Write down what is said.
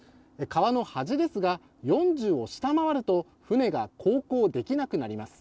川の端ですが、４０を下回ると船が航行できなくなります。